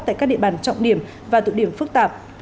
tại các địa bàn trọng điểm và tụ điểm phức tạp